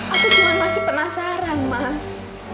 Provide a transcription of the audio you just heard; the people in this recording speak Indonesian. aku cuma masih penasaran mas